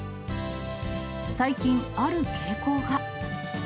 最近、ある傾向が。